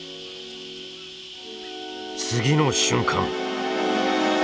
次の瞬間！